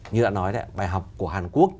như đã nói đấy bài học của hàn quốc